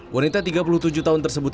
wanita tiga puluh tujuh tahun tersebut